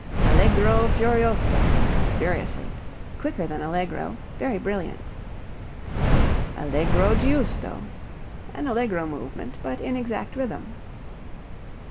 Allegro furioso (furiously) quicker than allegro; very brilliant. Allegro giusto an allegro movement, but in exact rhythm.